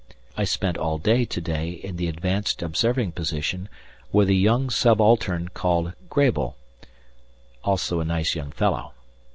I spent all to day in the advanced observing position with a young subaltern called Grabel, also a nice young fellow.